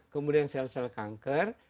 kemudian sel sel kanker